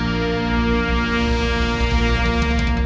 ต้องการ